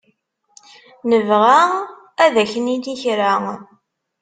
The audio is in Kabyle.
Nebɣa ad ak-nini kra.